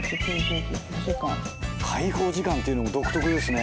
解放時間というのも独特ですね。